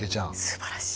すばらしい。